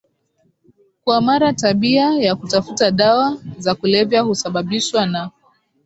kwa maraTabia ya kutafuta dawa za kulevya husababishwa na